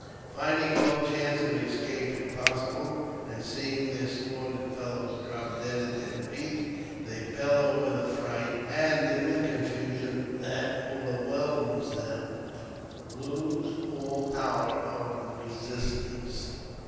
Finding all chance of escape impossible, and seeing their slaughtered fellows drop dead at their feet, they bellow with affright, and in the con fusion that whelms them lose all power of resistance.